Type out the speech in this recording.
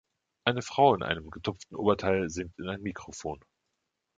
Eine Frau in einem getupften Oberteil singt in ein Mikrofon.